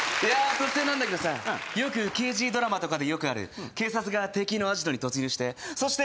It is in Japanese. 突然なんだけどさよく刑事ドラマとかでよくある警察が敵のあじとに突入してそして